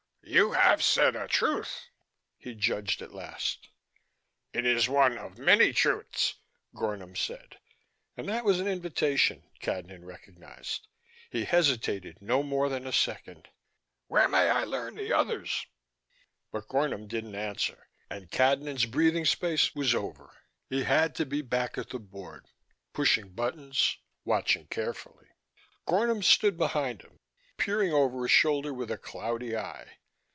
"You have said a truth," he judged at last. "It is one of many truths," Gornom said. And that was an invitation, Cadnan recognized. He hesitated no more than a second. "Where may I learn the others?" But Gornom didn't answer, and Cadnan's breathing space was over. He had to be back at the board, pushing buttons, watching carefully. Gornom stood behind him, peering over his shoulder with a cloudy eye.